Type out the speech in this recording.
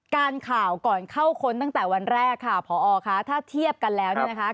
การข่าวก่อนเข้าค้นตั้งแต่วันแรกค่ะพอคะถ้าเทียบกันแล้วเนี่ยนะคะ